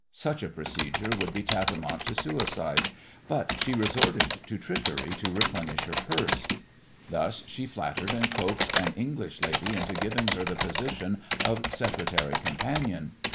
Such a procedure would be tantamount to suicide, but she resorted to trickery to replenish her purse. Thus she flattered and coaxed an English lady into giving her the position of secretary companion.